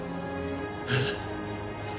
えっ？